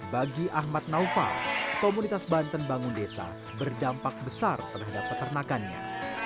bagi ahmad naufal komunitas banten bangun desa berdampak besar terhadap peternakannya